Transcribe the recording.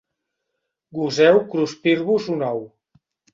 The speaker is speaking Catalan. Goseu cruspir-vos un ou.